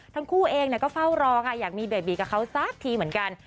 ทั้งคู่เองก็เฝ้ารอค่ะอยากมีเบบีกับเขาสักทีเหมือนกัน